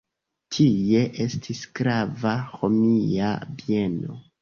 Tie estis grava romia bieno.